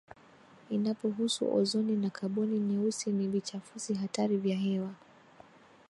inapohusu ozoni na kaboni nyeusi ni vichafuzi hatari vya hewa